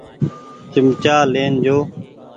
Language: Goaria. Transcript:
چمچآ لين جو ۔